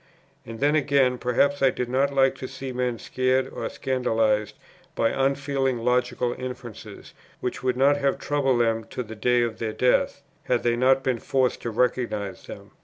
And then again, perhaps I did not like to see men scared or scandalized by unfeeling logical inferences, which would not have troubled them to the day of their death, had they not been forced to recognize them.